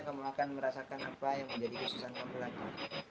kamu akan merasakan apa yang menjadi kesesakan berlaku